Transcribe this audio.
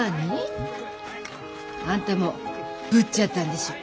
うん？あんたもぶっちゃったんでしょ？